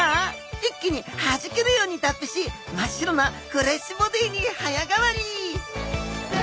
一気にはじけるように脱皮し真っ白なフレッシュボディーに早変わり！